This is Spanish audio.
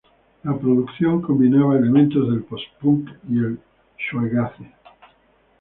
La producción combinaba elementos del post-punk y el shoegaze.